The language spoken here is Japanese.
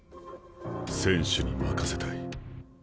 選手に任せたい。